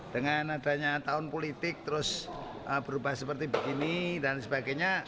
dengan adanya tahun politik terus berubah seperti begini dan sebagainya